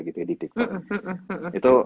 gitu ya di tiktok itu